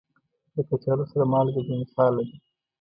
د کچالو سره مالګه بې مثاله ده.